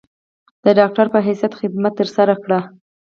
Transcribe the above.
د ډاکټر پۀ حېث خدمات تر سره کړل ۔